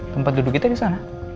tempat duduk kita disana